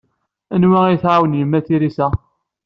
Anwa ay tɛawen Yemma Teresa?